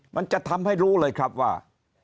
มันจะทำให้รู้เลยครับว่า